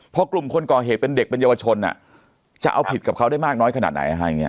พอกลุ่มคนก่อเหตุเป็นเด็กเป็นเยาวชนจะเอาผิดกับเขาได้มากน้อยขนาดไหนอะไรอย่างนี้